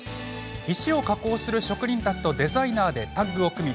石を加工する職人たちとデザイナーでタッグを組み